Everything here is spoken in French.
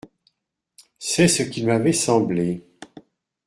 C’est ce qu’il m’avait semblé…